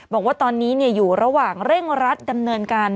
บอกว่าตอนนี้อยู่ระหว่างเร่งรัดดำเนินการ